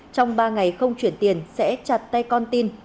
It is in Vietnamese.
trong ba ngày không chuyển tiền sẽ chặt tay con tin